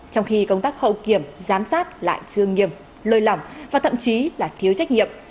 trong khi công tác hậu kiểm giám sát lại chưa nghiêm lơi lỏng và thậm chí là thiếu trách nhiệm